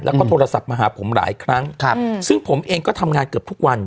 แล้วก็โทรศัพท์มาหาผมหลายครั้งครับซึ่งผมเองก็ทำงานเกือบทุกวัน